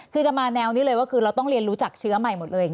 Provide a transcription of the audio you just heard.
คือจะมาแนวนี้เลยว่าคือเราต้องเรียนรู้จักเชื้อใหม่หมดเลย